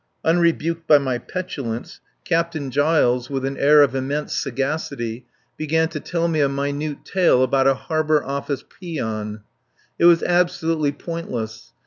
Unrebuked by my petulance, Captain Giles, with an air of immense sagacity, began to tell me a minute tale about a Harbour Office peon. It was absolutely pointless.